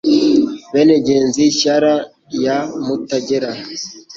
Bene Ngezi shyara ya Mutagera